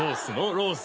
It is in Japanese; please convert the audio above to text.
ロース。